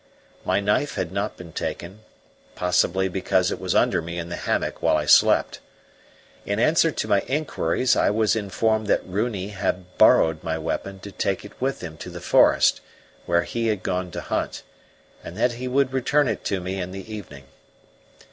My knife had not been taken, possibly because it was under me in the hammock while I slept. In answer to my inquiries I was informed that Runi had BORROWED my weapon to take it with him to the forest, where he had gone to hunt, and that he would return it to me in the evening.